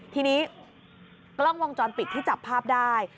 ทีนี้กล้องวงจรปิดที่จับภาพได้